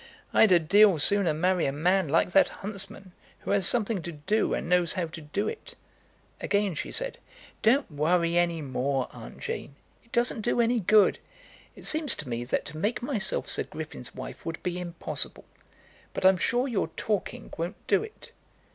I'd a deal sooner marry a man like that huntsman, who has something to do and knows how to do it." Again she said, "Don't worry any more, Aunt Jane. It doesn't do any good. It seems to me that to make myself Sir Griffin's wife would be impossible; but I'm sure your talking won't do it."